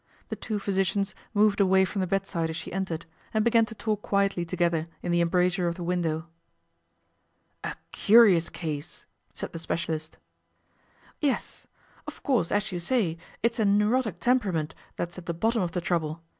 The two physicians moved away from the bedside as she entered, and began to talk quietly together in the embrasure of the window. 'A curious case!' said the specialist. 'Yes. Of course, as you say, it's a neurotic temperament that's at the bottom of the trouble.